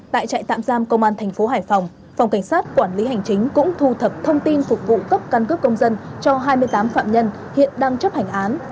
tại trại tạm giam công an tp hải phòng phòng cảnh sát quản lý hành chính cũng thu thập thông tin phục vụ cấp căn cước công dân cho hai mươi tám phạm nhân hiện đang chấp hành án